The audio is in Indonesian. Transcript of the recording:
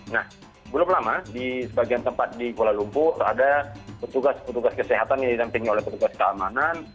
nah belum lama di sebagian tempat di kuala lumpur ada petugas petugas kesehatan yang didampingi oleh petugas keamanan